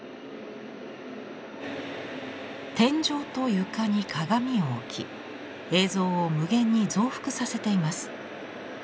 天井と床に鏡を置き映像を無限に増幅させています。